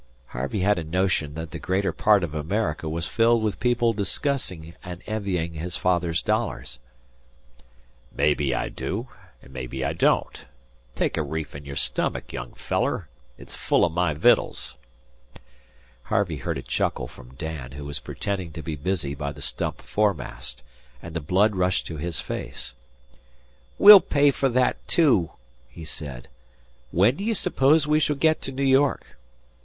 Harvey had a notion that the greater part of America was filled with people discussing and envying his father's dollars. "Mebbe I do, an' mebbe I don't. Take a reef in your stummick, young feller. It's full o' my vittles." Harvey heard a chuckle from Dan, who was pretending to be busy by the stump foremast, and blood rushed to his face. "We'll pay for that too," he said. "When do you suppose we shall get to New York?"